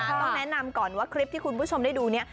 ต้องแนะนำก่อนว่าคลิปที่คุณผู้ชมได้ดูเนี่ย